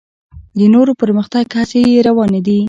د نور پرمختګ هڅې یې روانې دي.